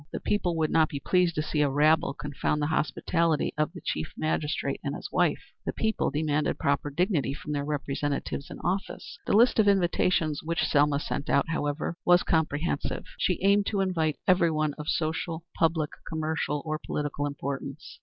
The people would not be pleased to see a rabble confound the hospitality of the chief magistrate and his wife. The people demanded proper dignity from their representatives in office. The list of invitations which Selma sent out was, however, comprehensive. She aimed to invite everyone of social, public, commercial or political importance.